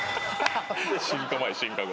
進化前進化後。